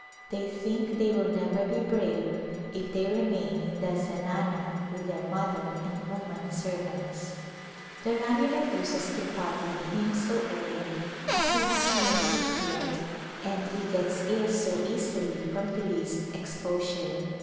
They think they will never be brave if they remain in the zanana with their mother and woman servants. The Rani refuses to part with him so early as he has no teeth yet, and he gets ill so easily from the least exposure.